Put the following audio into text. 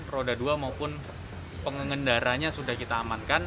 roda dua maupun pengendaranya sudah kita amankan